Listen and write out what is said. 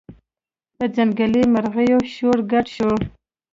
په ځنګلي مرغیو شور ګډ شو